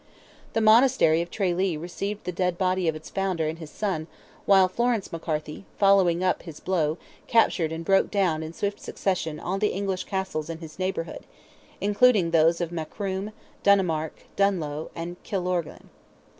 The Monastery of Tralee received the dead body of its founder and his son, while Florence McCarthy, following up his blow, captured and broke down in swift succession all the English castles in his neighbourhood, including those of Macroom, Dunnamark, Dunloe, and Killorglin.